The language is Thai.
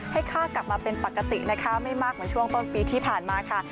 ค่ากลับมาเป็นปกตินะคะไม่มากเหมือนช่วงต้นปีที่ผ่านมาค่ะ